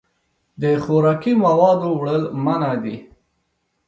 د خوراکي موادو وړل منع دي.